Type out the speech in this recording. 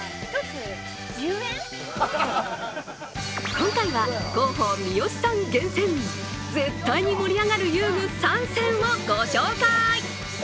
今回は広報・三好さん厳選、絶対に盛り上がる遊具３選をご紹介。